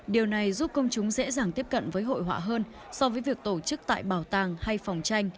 điều này giúp công chúng dễ dàng tiếp cận với hội họa hơn so với việc tổ chức tại bảo tàng hay phòng tranh